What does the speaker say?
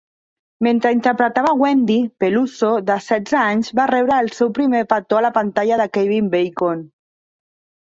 Mentre interpretava "Wendy", Peluso, de setze anys, va rebre el seu primer petó a la pantalla de Kevin Bacon.